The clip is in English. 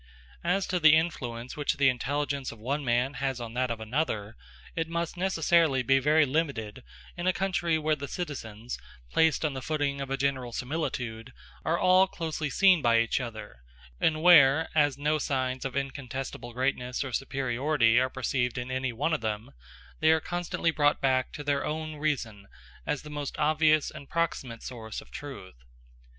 As to the influence which the intelligence of one man has on that of another, it must necessarily be very limited in a country where the citizens, placed on the footing of a general similitude, are all closely seen by each other; and where, as no signs of incontestable greatness or superiority are perceived in any one of them, they are constantly brought back to their own reason as the most obvious and proximate source of truth.